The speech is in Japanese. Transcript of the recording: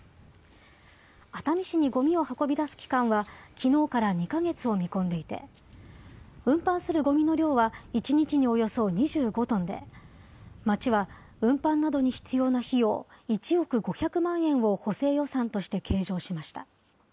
熱海市にごみを運び出す期間は、きのうから２か月を見込んでいて、運搬するごみの量は１日におよそ２５トンで、町は運搬などに必要な費用１億５００万円を、補正予算として計上しました。